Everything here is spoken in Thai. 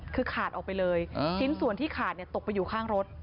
คือขาดออกไปเลยชิ้นส่วนที่ขาดตกไปอยู่ข้างรถ